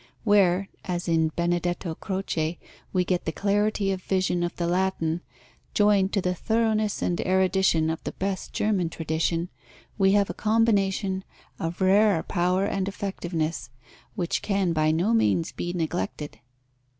Where, as in Benedetto Croce, we get the clarity of vision of the Latin, joined to the thoroughness and erudition of the best German tradition, we have a combination of rare power and effectiveness, which can by no means be neglected.